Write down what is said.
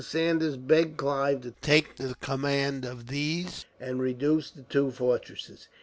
Saunders begged Clive to take the command of these, and reduce the two fortresses.